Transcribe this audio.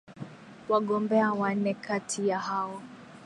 wagombea wanne kati ya hao